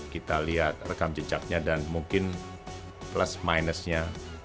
kita lihat rekam jejaknya dan mungkin plus minusnya